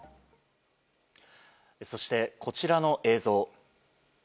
そして、こちらの映像。